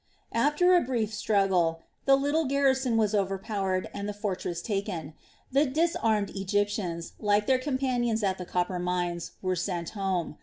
After a brief struggle the little garrison was overpowered and the fortress taken. The disarmed Egyptians, like their companions at the copper mines, were sent home.